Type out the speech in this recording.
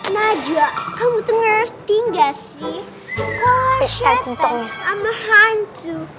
najwa kamu tuh ngerti gak sih kalau setan sama hantu